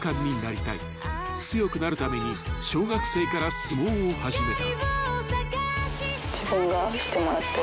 ［強くなるために小学生から相撲を始めた］